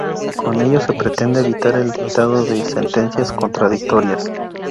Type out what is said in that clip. Con ello se pretende evitar el dictado de sentencias contradictorias.